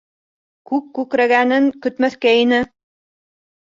Күк күкрәгәнен көтмәҫкә ине.